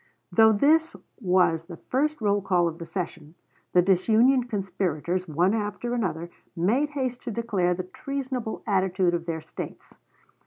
] Though this was the first roll call of the session, the disunion conspirators, one after another, made haste to declare the treasonable attitude of their States.